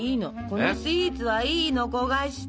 このスイーツはいいの焦がして。